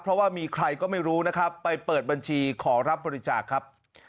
เพราะว่ามีใครก็ไม่รู้นะครับไปเปิดบัญชีขอรับบริจาคครับ